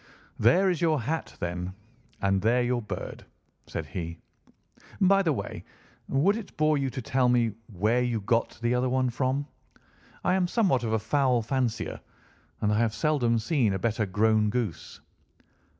"There is your hat, then, and there your bird," said he. "By the way, would it bore you to tell me where you got the other one from? I am somewhat of a fowl fancier, and I have seldom seen a better grown goose."